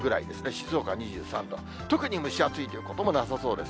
静岡は２３度、特に蒸し暑いということもなさそうです。